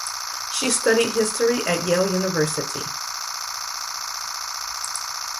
She studied history at Yale University.